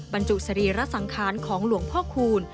บรรจุสรีระสังขารของหลวงพ่อคูณ